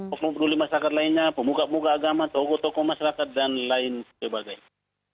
pemerintah masyarakat lainnya pemuka pemuka agama toko toko masyarakat dan lain sebagainya